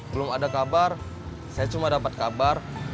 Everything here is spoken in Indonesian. belum ada kabar saya cuma dapat kabar